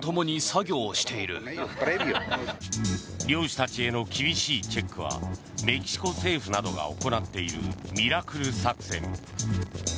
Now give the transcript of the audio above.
漁師たちへの厳しいチェックはメキシコ政府などが行っているミラクル作戦。